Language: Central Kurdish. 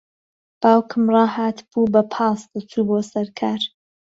باوکم ڕاھاتبوو بە پاس دەچوو بۆ سەر کار.